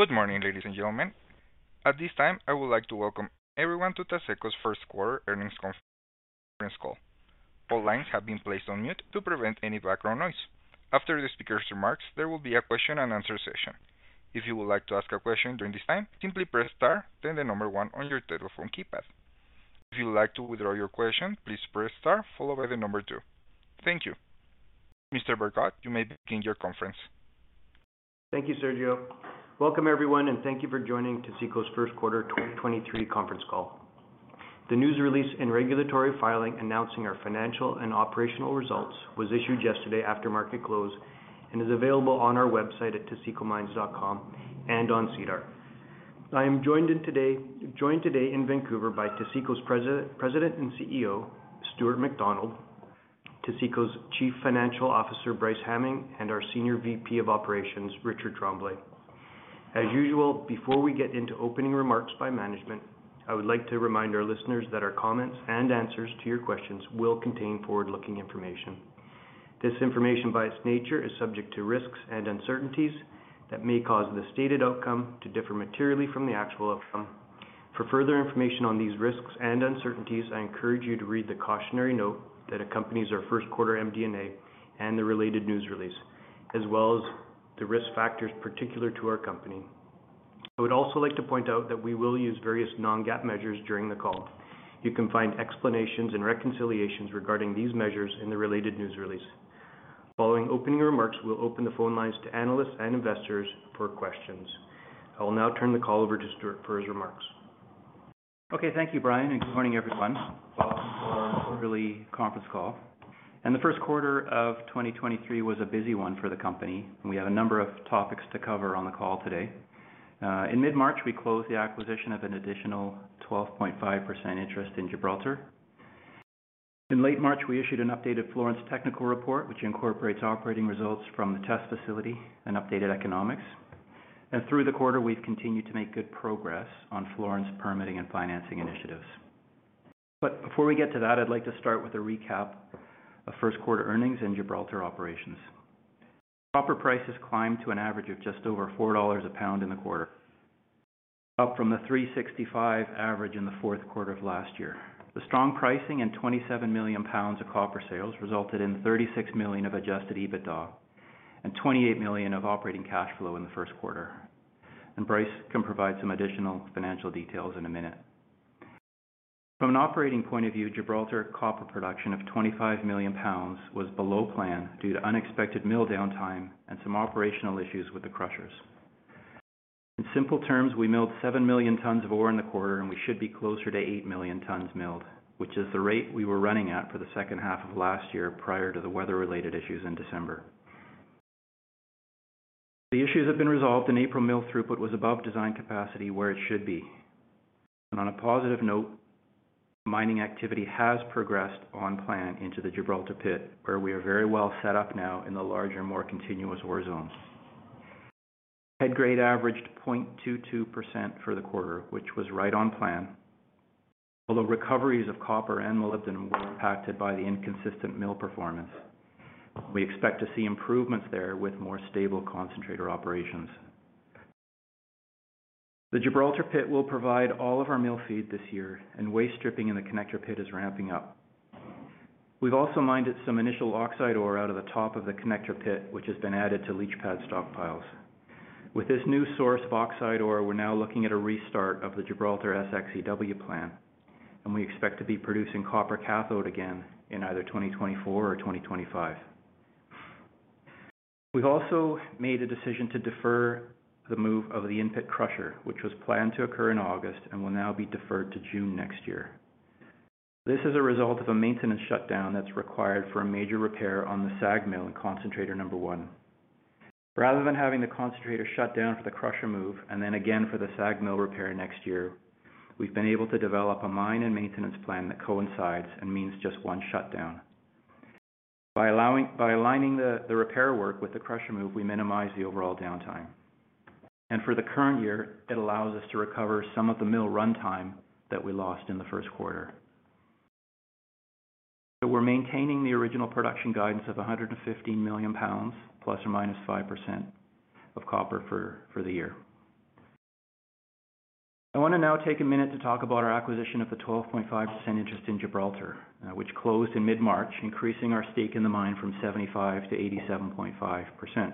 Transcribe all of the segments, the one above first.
Good morning, ladies and gentlemen. At this time, I would like to welcome everyone to Taseko's first quarter earnings conference call. All lines have been placed on mute to prevent any background noise. After the speaker's remarks, there will be a question and answer session. If you would like to ask a question during this time, simply press star, then the number one on your telephone keypad. If you would like to withdraw your question, please press star followed by the number two. Thank you. Mr. Bergot, you may begin your conference. Thank you, Sergio. Welcome, everyone, and thank you for joining Taseko's first quarter 2023 conference call. The news release and regulatory filing announcing our financial and operational results was issued yesterday after market close and is available on our website at tasekomines.com and on SEDAR. Joined today in Vancouver by Taseko's President and CEO, Stuart McDonald, Taseko's Chief Financial Officer, Bryce Hamming, and our Senior VP of Operations, Richard Tremblay. Before we get into opening remarks by management, I would like to remind our listeners that our comments and answers to your questions will contain forward-looking information. This information, by its nature, is subject to risks and uncertainties that may cause the stated outcome to differ materially from the actual outcome. For further information on these risks and uncertainties, I encourage you to read the cautionary note that accompanies our first quarter MD&A and the related news release, as well as the risk factors particular to our company. I would also like to point out that we will use various non-GAAP measures during the call. You can find explanations and reconciliations regarding these measures in the related news release. Following opening remarks, we'll open the phone lines to analysts and investors for questions. I will now turn the call over to Stuart for his remarks. Okay. Thank you, Brian, and good morning, everyone. Welcome to our quarterly conference call. The first quarter of 2023 was a busy one for the company. We have a number of topics to cover on the call today. In mid-March, we closed the acquisition of an additional 12.5% interest in Gibraltar. In late March, we issued an updated Florence technical report, which incorporates operating results from the test facility and updated economics. Through the quarter, we've continued to make good progress on Florence permitting and financing initiatives. Before we get to that, I'd like to start with a recap of first quarter earnings in Gibraltar operations. Copper prices climbed to an average of just over $4 a pound in the quarter, up from the $3.65 average in the fourth quarter of last year. The strong pricing and 27 million pounds of copper sales resulted in $36 million of adjusted EBITDA and $28 million of operating cash flow in the first quarter. Bryce can provide some additional financial details in a minute. From an operating point of view, Gibraltar copper production of 25 million pounds was below plan due to unexpected mill downtime and some operational issues with the crushers. In simple terms, we milled seven million tons of ore in the quarter, and we should be closer to eight million tons milled, which is the rate we were running at for the second half of last year prior to the weather-related issues in December. The issues have been resolved. In April, mill throughput was above design capacity where it should be. On a positive note, mining activity has progressed on plan into the Gibraltar pit, where we are very well set up now in the larger, more continuous ore zones. Head grade averaged 0.22% for the quarter, which was right on plan. Although recoveries of copper and molybdenum were impacted by the inconsistent mill performance, we expect to see improvements there with more stable concentrator operations. The Gibraltar pit will provide all of our mill feed this year, and waste stripping in the connector pit is ramping up. We've also mined some initial oxide ore out of the top of the connector pit, which has been added to leach pad stockpiles. With this new source of oxide ore, we're now looking at a restart of the Gibraltar SXEW plant, and we expect to be producing copper cathode again in either 2024 or 2025. We've also made a decision to defer the move of the in-pit crusher, which was planned to occur in August and will now be deferred to June next year. This is a result of a maintenance shutdown that's required for a major repair on the SAG mill in concentrator number one. Rather than having the concentrator shut down for the crusher move and then again for the SAG mill repair next year, we've been able to develop a mine and maintenance plan that coincides and means just one shutdown. By aligning the repair work with the crusher move, we minimize the overall downtime. For the current year, it allows us to recover some of the mill runtime that we lost in the first quarter. We're maintaining the original production guidance of 115 million pounds ±5% of copper for the year. I want to now take a minute to talk about our acquisition of the 12.5% interest in Gibraltar, which closed in mid-March, increasing our stake in the mine from 75%-87.5%.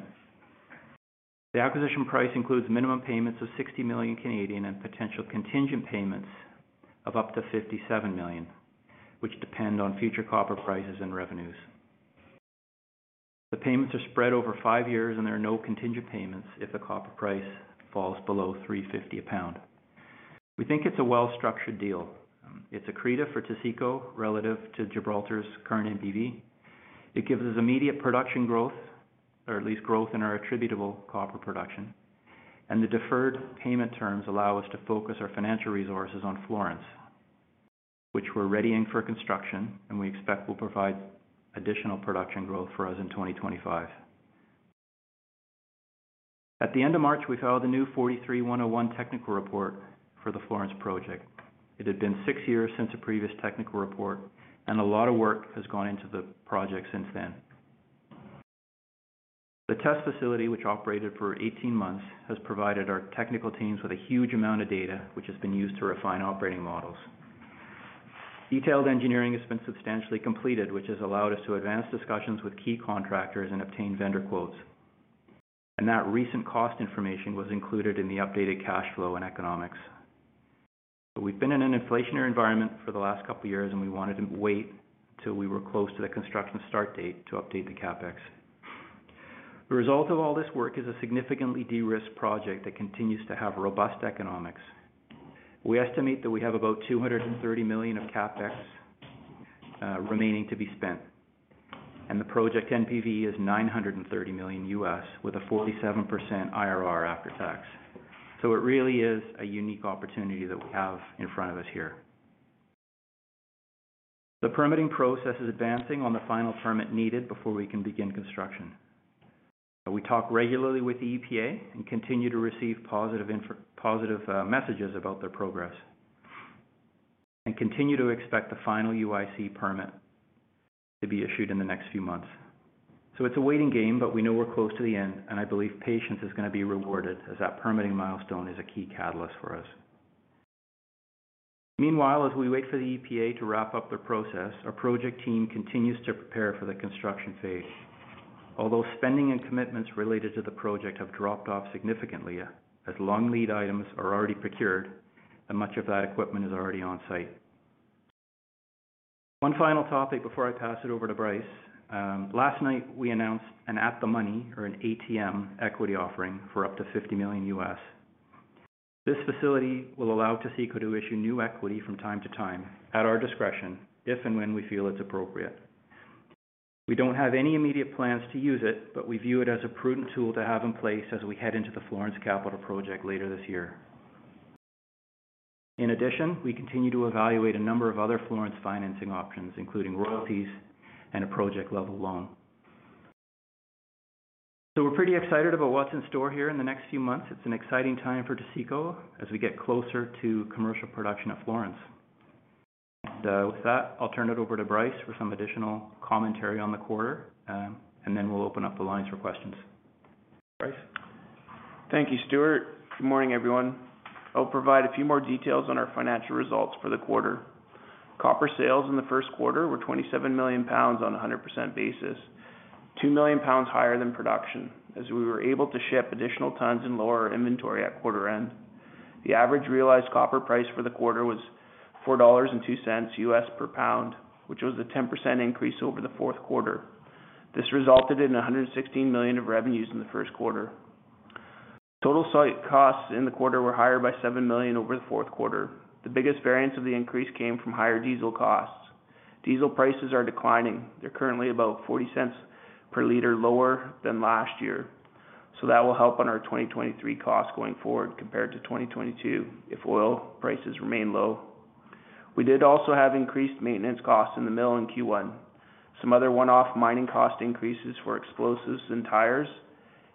The acquisition price includes minimum payments of 60 million and potential contingent payments of up to $57 million, which depend on future copper prices and revenues. The payments are spread over five years, and there are no contingent payments if the copper price falls below $3.50 a pound. We think it's a well-structured deal. It's accretive for Taseko relative to Gibraltar's current NPV. It gives us immediate production growth, or at least growth in our attributable copper production. The deferred payment terms allow us to focus our financial resources on Florence, which we're readying for construction, and we expect will provide additional production growth for us in 2025. At the end of March, we filed a new NI 43-101 technical report for the Florence project. It had been six years since the previous technical report, and a lot of work has gone into the project since then. The test facility, which operated for 18 months, has provided our technical teams with a huge amount of data, which has been used to refine operating models. Detailed engineering has been substantially completed, which has allowed us to advance discussions with key contractors and obtain vendor quotes. That recent cost information was included in the updated cash flow and economics. We've been in an inflationary environment for the last couple of years. We wanted to wait till we were close to the construction start date to update the CapEx. The result of all this work is a significantly de-risked project that continues to have robust economics. We estimate that we have about $230 million of CapEx remaining to be spent. The project NPV is $930 million with a 47% IRR after tax. It really is a unique opportunity that we have in front of us here. The permitting process is advancing on the final permit needed before we can begin construction. We talk regularly with the EPA and continue to receive positive messages about their progress and continue to expect the final UIC permit to be issued in the next few months. It's a waiting game, but we know we're close to the end, and I believe patience is gonna be rewarded as that permitting milestone is a key catalyst for us. Meanwhile, as we wait for the EPA to wrap up their process, our project team continues to prepare for the construction phase. Although spending and commitments related to the project have dropped off significantly as long lead items are already procured, and much of that equipment is already on-site. One final topic before I pass it over to Bryce. Last night we announced an At-The-Money or an ATM equity offering for up to $50 million. This facility will allow Taseko to issue new equity from time to time at our discretion if and when we feel it's appropriate. We don't have any immediate plans to use it, but we view it as a prudent tool to have in place as we head into the Florence capital project later this year. In addition, we continue to evaluate a number of other Florence financing options, including royalties and a project-level loan. We're pretty excited about what's in store here in the next few months. It's an exciting time for Taseko as we get closer to commercial production at Florence. With that, I'll turn it over to Bryce for some additional commentary on the quarter, and then we'll open up the lines for questions. Bryce? Thank you, Stuart. Good morning, everyone. I'll provide a few more details on our financial results for the quarter. Copper sales in the first quarter were 27 million pounds on a 100% basis, two million pounds higher than production, as we were able to ship additional tons and lower our inventory at quarter end. The average realized copper price for the quarter was $4.02 U.S. per pound, which was a 10% increase over the fourth quarter. This resulted in $116 million of revenues in the first quarter. Total site costs in the quarter were higher by $7 million over the fourth quarter. The biggest variance of the increase came from higher diesel costs. Diesel prices are declining. They're currently about $0.40 per liter lower than last year. That will help on our 2023 costs going forward compared to 2022 if oil prices remain low. We did also have increased maintenance costs in the mill in Q1. Some other one-off mining cost increases for explosives and tires.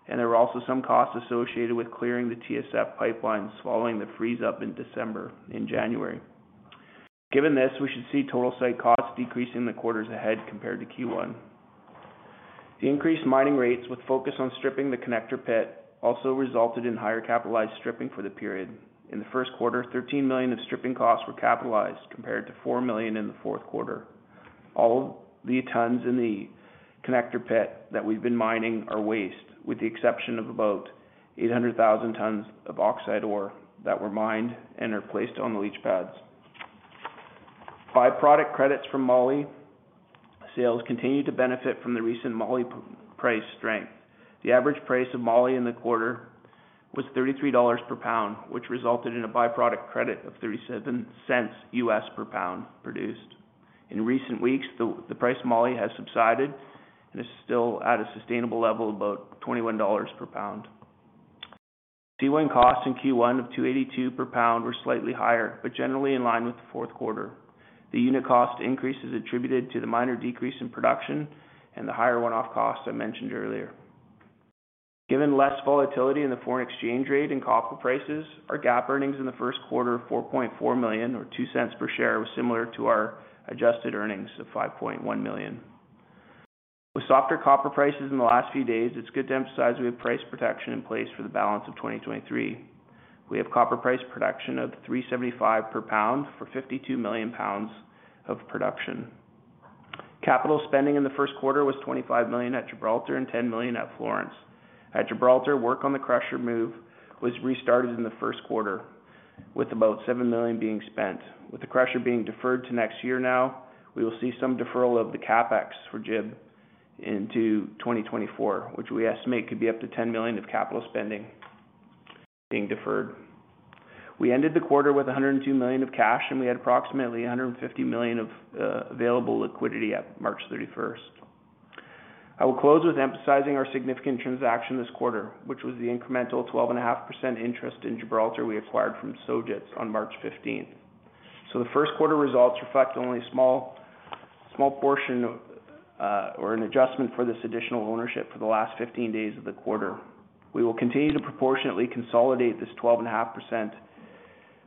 There were also some costs associated with clearing the TSF pipelines following the freeze up in December, in January. Given this, we should see total site costs decrease in the quarters ahead compared to Q1. The increased mining rates with focus on stripping the connector pit also resulted in higher capitalized stripping for the period. In the first quarter, $13 million of stripping costs were capitalized compared to $4 million in the fourth quarter. All the tons in the connector pit that we've been mining are waste, with the exception of about 800,000 tons of oxide ore that were mined and are placed on the leach pads. By-product credits from moly sales continued to benefit from the recent moly price strength. The average price of moly in the quarter was $33 per pound, which resulted in a by-product credit of $0.37 U.S. per pound produced. In recent weeks, the price of moly has subsided and is still at a sustainable level of about $21 per pound. C1 costs in Q1 of $2.82 per pound were slightly higher but generally in line with the fourth quarter. The unit cost increase is attributed to the minor decrease in production and the higher one-off costs I mentioned earlier. Given less volatility in the foreign exchange rate and copper prices, our GAAP earnings in the first quarter of $4.4 million or $0.02 per share was similar to our adjusted earnings of $5.1 million. With softer copper prices in the last few days, it's good to emphasize we have price protection in place for the balance of 2023. We have copper price protection of $3.75 per pound for 52 million pounds of production. Capital spending in the first quarter was $25 million at Gibraltar and $10 million at Florence. At Gibraltar, work on the crusher move was restarted in the first quarter, with about $7 million being spent. With the crusher being deferred to next year now, we will see some deferral of the CapEx for Gib into 2024, which we estimate could be up to $10 million of capital spending being deferred. We ended the quarter with $102 million of cash, and we had approximately $150 million of available liquidity at March 31st. I will close with emphasizing our significant transaction this quarter, which was the incremental 12.5% interest in Gibraltar we acquired from Sojitz on March 15th. The first quarter results reflect only a small portion of or an adjustment for this additional ownership for the last 15 days of the quarter. We will continue to proportionately consolidate this 12.5%.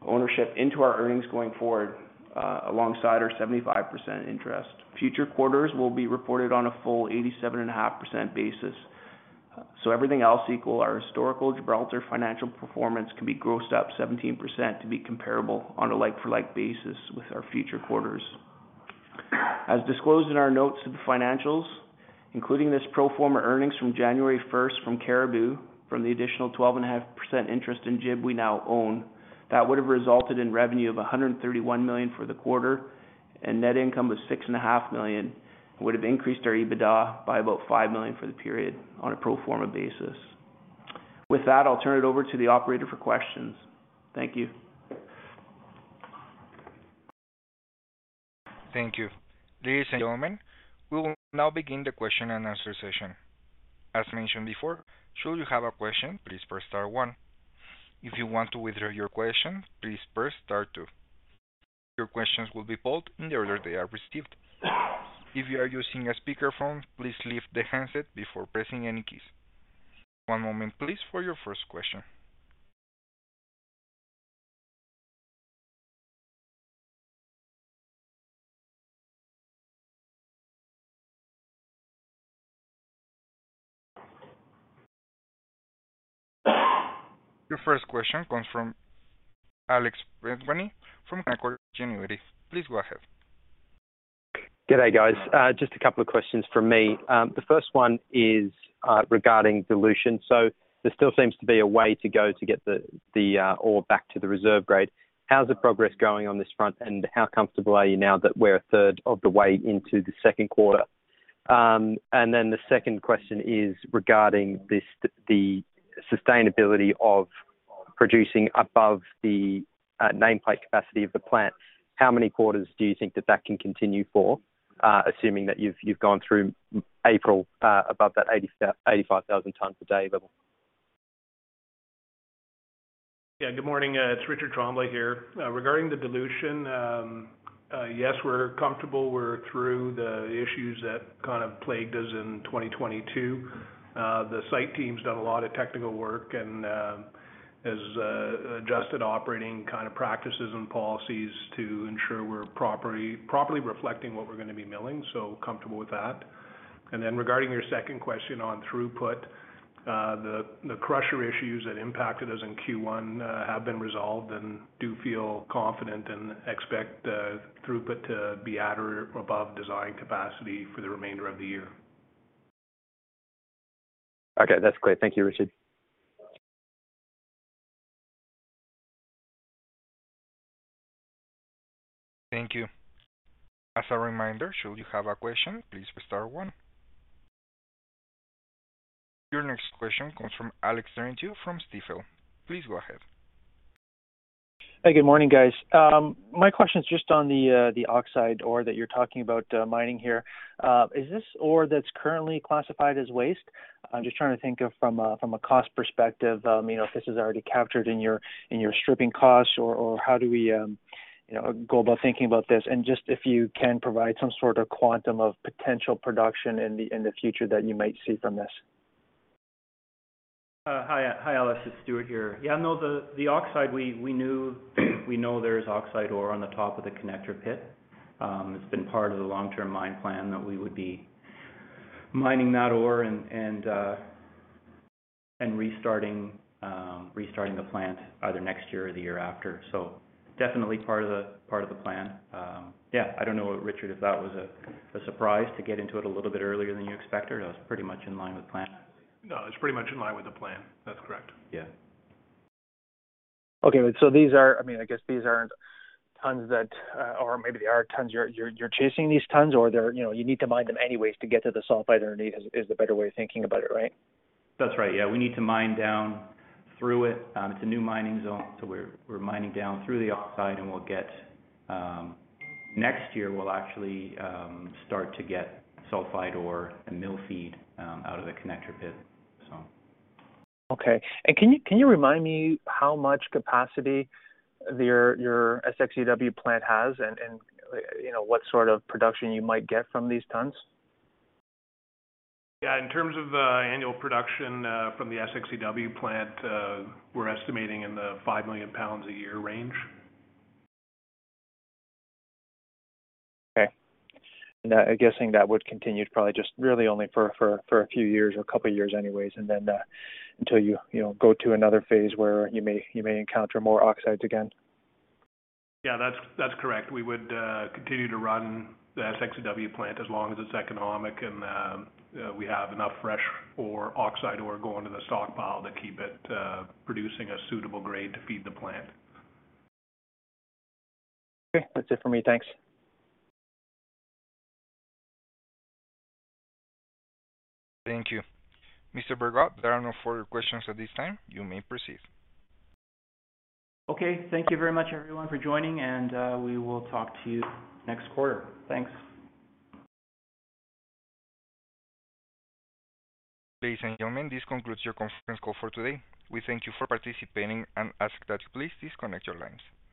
Ownership into our earnings going forward, alongside our 75% interest. Future quarters will be reported on a full 87.5% basis. Everything else equal, our historical Gibraltar financial performance can be grossed up 17% to be comparable on a like for like basis with our future quarters. As disclosed in our notes to the financials, including this pro forma earnings from January 1st from Cariboo, from the additional 12.5% interest in Gibraltar we now own, that would have resulted in revenue of $131 million for the quarter, and net income was $6.5 million. Would have increased our EBITDA by about $5 million for the period on a pro forma basis. With that, I'll turn it over to the operator for questions. Thank you. Thank you. Ladies and gentlemen, we will now begin the question and answer session. As mentioned before, should you have a question, please press star one. If you want to withdraw your question, please press star two. Your questions will be pulled in the order they are received. If you are using a speaker phone, please leave the handset before pressing any keys. One moment please, for your first question. Your first question comes from Alex Bedwany from Canaccord Genuity. Please go ahead. Good day, guys. Just a couple of questions from me. The first one is regarding dilution. There still seems to be a way to go to get the ore back to the reserve grade. How's the progress going on this front, and how comfortable are you now that we're 1/3 of the way into the second quarter? The second question is regarding the sustainability of producing above the nameplate capacity of the plant. How many quarters do you think that can continue for, assuming that you've gone through April above that 85,000 tons a day level? Good morning. It's Richard Tremblay here. Regarding the dilution, yes, we're comfortable. We're through the issues that kind of plagued us in 2022. The site team's done a lot of technical work and has adjusted operating kind of practices and policies to ensure we're properly reflecting what we're gonna be milling. Comfortable with that. Regarding your second question on throughput, the crusher issues that impacted us in Q1 have been resolved and do feel confident and expect the throughput to be at or above design capacity for the remainder of the year. Okay. That's great. Thank you, Richard. Thank you. As a reminder, should you have a question, please press star one. Your next question comes from Alex Terentiew from Stifel. Please go ahead. Hey. Good morning, guys. My question is just on the oxide ore that you're talking about mining here. Is this ore that's currently classified as waste? I'm just trying to think of from a, from a cost perspective, you know, if this is already captured in your, in your stripping costs or how do we, you know, go about thinking about this? Just if you can provide some sort of quantum of potential production in the, in the future that you might see from this. Hi, Alex. It's Stuart here. Yeah, no, the oxide we knew, we know there's oxide ore on the top of the connector pit. It's been part of the long-term mine plan that we would be mining that ore and restarting the plant either next year or the year after. Definitely part of the, part of the plan. Yeah, I don't know what Richard, if that was a surprise to get into it a little bit earlier than you expected, or it was pretty much in line with the plan? No, it's pretty much in line with the plan. That's correct. Yeah. These are, I mean, I guess these aren't tons that, or maybe they are tons, you're chasing these tons or they're, you know, you need to mine them anyways to get to the sulfide underneath is the better way of thinking about it, right? That's right. Yeah. We need to mine down through it. It's a new mining zone, so we're mining down through the oxide and we'll get next year, we'll actually start to get sulfide ore and mill feed out of the connector pit. Can you remind me how much capacity your SXEW plant has and, you know, what sort of production you might get from these tons? Yeah. In terms of, annual production, from the SXEW plant, we're estimating in the 5 million pounds a year range. Okay. I'm guessing that would continue probably just really only for a few years or a couple of years anyways, and then until you know, go to another phase where you may encounter more oxides again. Yeah, that's correct. We would continue to run the SXEW plant as long as it's economic and we have enough fresh ore, oxide ore going to the stockpile to keep it producing a suitable grade to feed the plant. Okay. That's it for me. Thanks. Thank you. Mr. Bergot, there are no further questions at this time. You may proceed. Okay. Thank you very much, everyone, for joining, and, we will talk to you next quarter. Thanks. Ladies and gentlemen, this concludes your conference call for today. We thank you for participating and ask that you please disconnect your lines. Thank you.